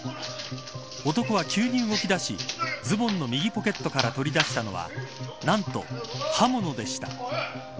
男は急に動き出しズボンの右ポケットから取り出したのはなんと、刃物でした。